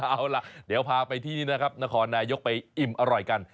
เอาล่ะเดี๋ยวพาไปที่นี่นะครับนครนายกไปอิ่มอร่อยกัน